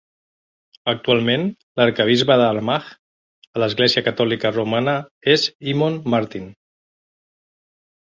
Actualment, l'arquebisbe d'Armagh a l'Església Catòlica Romana és Eamon Martin.